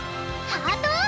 ハートを！